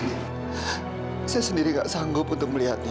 saya sendiri gak sanggup untuk melihatnya